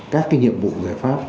các cái nhiệm vụ giải pháp